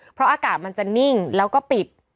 เพราะอากาศมันจะนิ่งแล้วก็ปิด